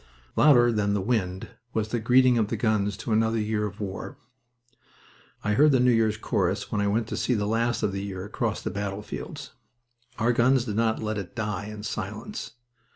Louder than the wind was the greeting of the guns to another year of war. I heard the New Year's chorus when I went to see the last of the year across the battlefields. Our guns did not let it die in silence.